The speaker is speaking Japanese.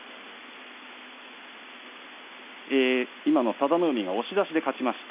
佐田の海が押し出しで勝ちました。